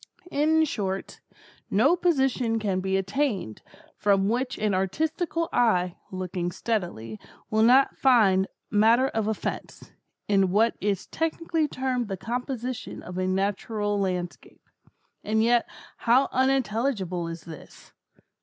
In short, no position can be attained, from which an artistical eye, looking steadily, will not find matter of offence, in what is technically termed the composition of a natural landscape. And yet how unintelligible is this!